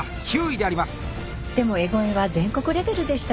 でも笑声は全国レベルでしたよ。